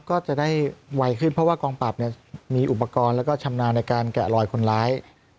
ก็จะได้ไวขึ้นเพราะว่ากองปราบเนี่ยมีอุปกรณ์แล้วก็ชำนาญในการแกะรอยคนร้าย